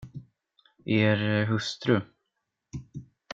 Er hustru...